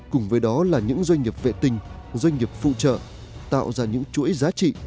cùng với đó là những doanh nghiệp vệ tinh doanh nghiệp phụ trợ tạo ra những chuỗi giá trị